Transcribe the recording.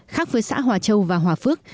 khác với xã hòa châu và hòa phước